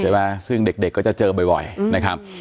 ใช่ไหมซึ่งเด็กก็จะเจอบ่อยนะครับ